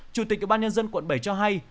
chủ tịch ủy ban nhân dân quận bảy cho hay